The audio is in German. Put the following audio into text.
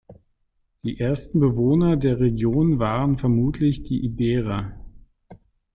Die ersten Bewohner der Region waren vermutlich die Iberer.